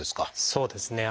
そうですね。